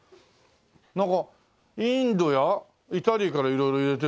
なんかインドやイタリーから色々入れてるの？